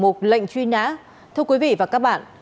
một lệnh truy nã